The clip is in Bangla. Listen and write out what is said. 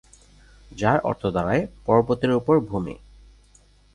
যার অর্থ দাঁড়ায় পর্বতের উপর ভূমি।